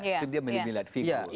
itu dia menilai figure